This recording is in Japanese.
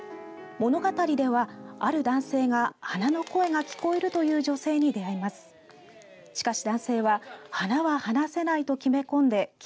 物語では、ある男性が花の声が聞こえるという女性に出会います。